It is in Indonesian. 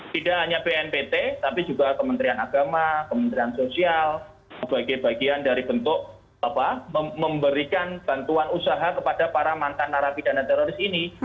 tidak hanya bnpt tapi juga kementerian agama kementerian sosial sebagai bagian dari bentuk memberikan bantuan usaha kepada para mantan narapidana teroris ini